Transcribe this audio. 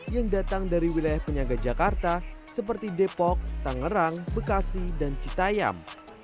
yang datang dari wilayah penyangga jakarta seperti depok tangerang bekasi dan citayam